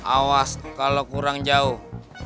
awas kalo kurang jauh